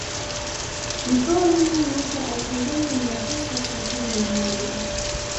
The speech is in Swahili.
Mtorwi mita elfu mbili mia tisa sitini na moja